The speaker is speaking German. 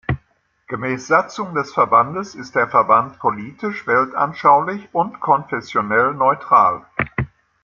Gemäß Satzung des Verbandes ist der Verband politisch, weltanschaulich und konfessionell neutral.